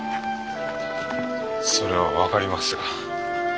それは分かりますが。